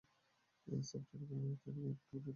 Subtitle ভালো লাগলে good rating দিতে ভুলবেন না।